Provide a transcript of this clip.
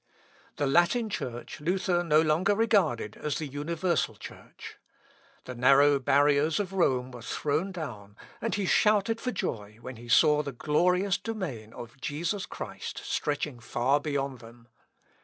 The Latin Church Luther no longer regarded as the universal Church. The narrow barriers of Rome were thrown down; and he shouted for joy when he saw the glorious domain of Jesus Christ stretching far beyond them.